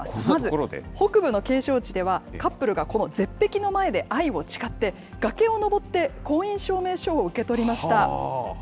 まず、北部の景勝地では、カップルがこの絶壁の前で愛を誓って、崖を登って婚姻証明書を受け取りました。